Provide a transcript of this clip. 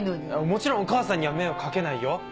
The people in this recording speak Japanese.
もちろん母さんには迷惑掛けないよ。